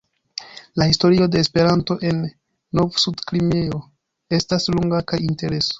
La historio de Esperanto en Novsudkimrio estas longa kaj interesa.